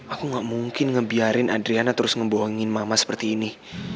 aku gak mungkin ngebiarin adriana terus ngebohongin mama seperti ini